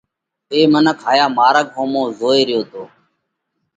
اي منک هايا مارڳ ۿومو زوئي ريو تو۔